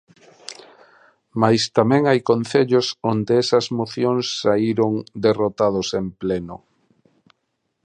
Mais tamén hai concellos onde esas mocións saíron derrotados en pleno.